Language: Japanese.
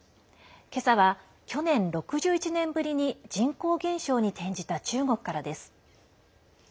今朝は、去年６１年ぶりに人口減少に転じた中国からです。